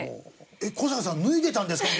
「小坂さん脱いでたんですか？」